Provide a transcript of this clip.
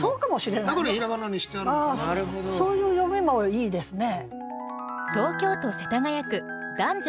そういう読みもいいですね。